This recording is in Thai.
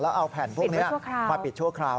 เอาแผ่นพวกนี้มาปิดชั่วคราว